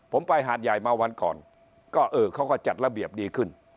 ผมไปหาดใหญ่มาวันก่อนก็เออเขาก็จัดระเบียบดีขึ้น